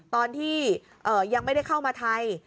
ตอนที่ยังไม่ได้เข้ามาไทย